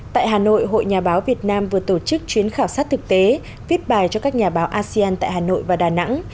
tại hà nội hội nhà báo việt nam vừa tổ chức chuyến khảo sát thực tế viết bài cho các nhà báo asean tại hà nội và đà nẵng